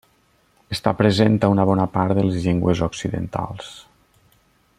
Està present a una bona part de les llengües occidentals.